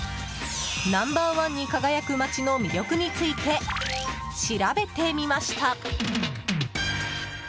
ナンバー１に輝く街の魅力について調べてみました。